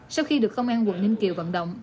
sau khi được công an quận ninh kiều vận động